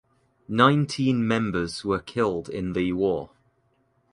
Nineteen members were killed in the war.